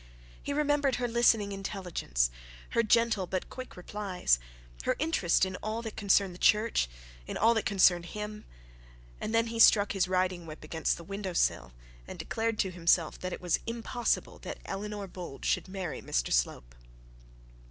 He remembered her listening intelligence, her gentle but quick replies, her interest in all that concerned the church, in all that concerned him; and then he struck his riding whip against the window sill, and declared to himself that it was impossible that Eleanor Bold should marry Mr Slope.